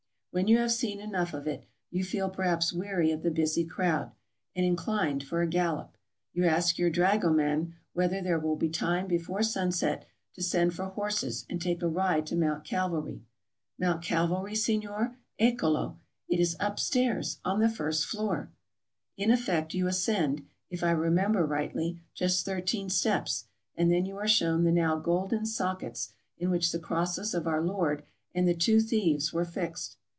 When you have seen enough of it, you feel perhaps weary of the busy crowd, and inclined for a gallop; you ask your dragoman whether there will be time before sunset to send for horses and take a ride to Mount Calvary. Mount Calvary, signor ?— eccolo! it is upstairs — on the first floor. In effect, you ascend, if I re member rightly, just thirteen steps, and then you are shown the now golden sockets in which the crosses of our Lord and the two thieves were fixed.